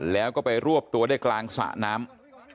แล้วก็ไปรวบตัวได้กลางสระน้ำ